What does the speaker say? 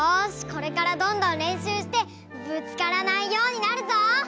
これからどんどんれんしゅうしてぶつからないようになるぞ！